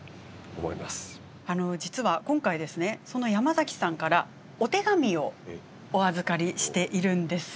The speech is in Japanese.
その山さんからお手紙をお預かりしているんです。